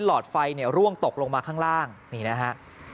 เศษหลอดไฟร่วงตกลงมาข้างล่างนี่นะฮะ